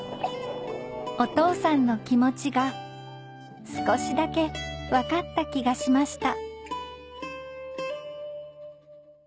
お父さんの気持ちが少しだけ分かった気がしました